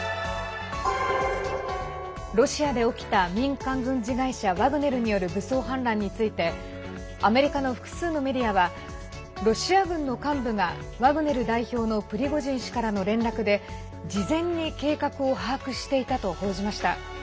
ロシアで起きた民間軍事会社ワグネルによる武装反乱についてアメリカの複数のメディアはロシア軍の幹部がワグネル代表のプリゴジン氏からの連絡で事前に計画を把握していたと報じました。